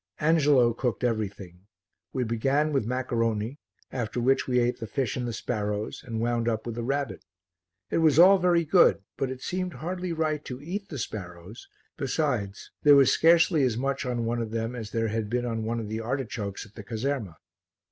Angelo cooked everything; we began with maccaroni, after which we ate the fish and the sparrows, and wound up with the rabbit. It was all very good, but it seemed hardly right to eat the sparrows, besides, there was scarcely as much on one of them as there had been on one of the artichokes at the caserma.